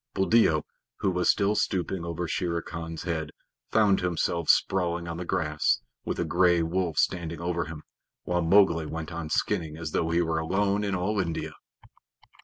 Buldeo, who was still stooping over Shere Khan's head, found himself sprawling on the grass, with a gray wolf standing over him, while Mowgli went on skinning as though he were alone in all India.